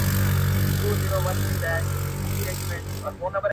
o څه دي راوکړل د قرآن او د ګیتا لوري ـ